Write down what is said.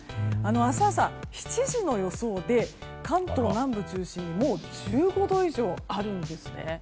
明日朝７時の予想で関東南部中心に１５度以上、あるんですね。